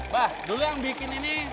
bah dulu yang bikin ini